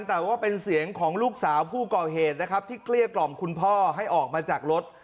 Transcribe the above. แต่ว่าเป็นเสียงของลูกสาวผู้ก่อเหตุนะครับที่เกลี้ยกล่อมคุณพ่อให้ออกมาจากรถ